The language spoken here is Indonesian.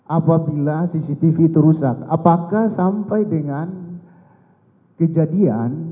apabila cctv itu rusak apakah sampai dengan kejadian